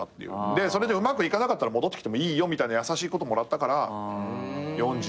でそれでうまくいかなかったら戻ってきてもいいよみたいな優しい言葉もらったから４５っていう遅い独立。